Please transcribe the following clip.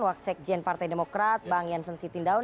waksek jend partai demokrat bang jansun sitindaun